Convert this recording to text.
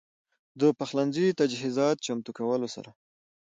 د پخلنځي تجهيزاتو چمتو کولو سره